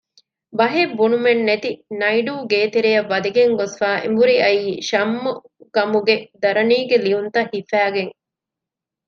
ބަހެއް ބުނުމެއް ނެތި ނައިޑޫ ގޭތެރެއަށް ވަދެގެން ގޮސްފައި އެނބުރި އައީ ޝައްމުގަމުގެ ދަރަނީގެ ލިޔުން ހިފައިގެން